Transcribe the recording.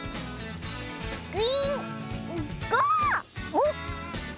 おっ。